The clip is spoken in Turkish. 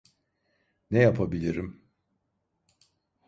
Ne yapabilirim?